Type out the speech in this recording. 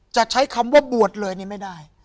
จะใช้คำว่าบวชเลยนี่ไม่ได้